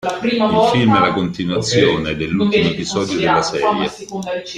Il film è la continuazione dell'ultimo episodio della serie.